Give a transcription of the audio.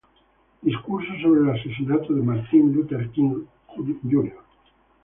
Discurso sobre el asesinato de Martin Luther King, Jr.